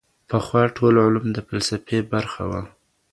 پخوا ټول علوم د فلسفې برخه وه.